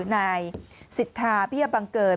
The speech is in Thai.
นายสิทธาพิยาบังเกิด